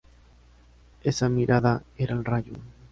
Esa mirada era el rayo.